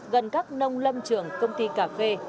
gần các nông lâm trường công ty cà phê